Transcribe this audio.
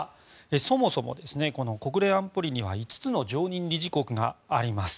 そもそも、国連安保理には５つの常任理事国があります。